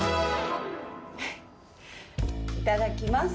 いただきます。